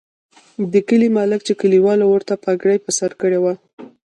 د کلي ملک چې کلیوالو ورته پګړۍ په سر کړې وه.